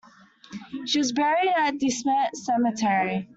She was buried at De Smet Cemetery.